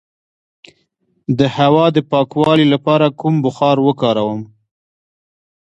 د هوا د پاکوالي لپاره کوم بخار وکاروم؟